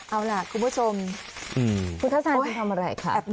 เอาล่ะคุณผู้ชมคุณทัศนัยทำอะไรคะ